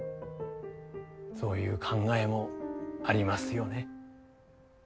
そういう考えもありますよね。